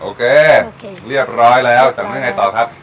โอเคเรียบร้อยแล้วจากนั้นไงต่อครับ